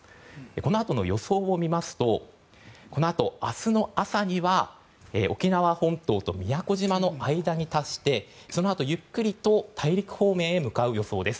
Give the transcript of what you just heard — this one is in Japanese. このあとの予想を見ますとこのあと明日の朝には沖縄本島と宮古島の間に達してそのあとゆっくりと大陸方面へ向かう予想です。